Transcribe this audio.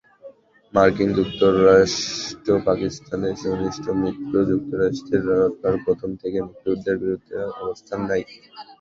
মার্কিন যুক্তরাষ্ট্রপাকিস্তানের ঘনিষ্ঠ মিত্র যুক্তরাষ্ট্রের সরকার প্রথম থেকেই মুক্তিযুদ্ধের বিরুদ্ধে অবস্থান নেয়।